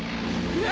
うわ！